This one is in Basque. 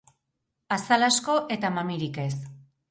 Azal asko eta mamirik ez.